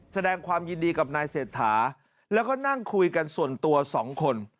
แสดงความยินดีกับนายเศรษฐาแล้วก็นั่งคุยกันส่วนตัวสองคน